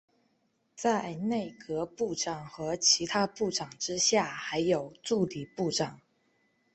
在内阁部长和其他部长之下还有助理部长。